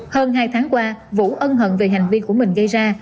hơn hai tháng qua vũ ân hận về hành vi của mình gây ra